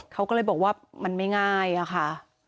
เขาก็เลยบอกว่ามันไม่ง่ายอะค่ะ